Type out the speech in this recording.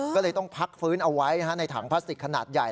ก็เลยต้องพักฟื้นเอาไว้ในถังพลาสติกขนาดใหญ่